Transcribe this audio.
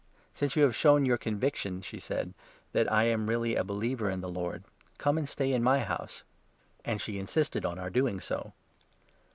"Since you have shown your conviction," she said, "that I really am a believer in the Lord, come and stay in my house." And she insisted on our doing so.